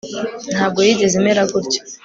ntabwo yigeze imera gutya